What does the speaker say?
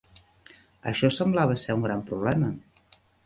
Això semblava ser un gran problema.